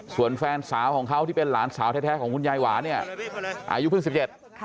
ส่วนแฟนสาวของเขาที่เป็นหลานสาวแท้ของคุณยายหวานเนี่ยอายุเพิ่งสิบเจ็ดค่ะ